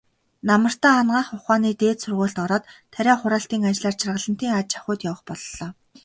Намартаа Анагаах ухааны дээд сургуульд ороод, тариа хураалтын ажлаар Жаргалантын аж ахуйд явах боллоо.